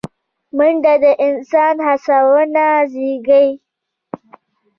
منډه د انسان هڅونه زیږوي